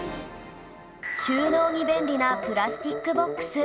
収納に便利なプラスチックボックス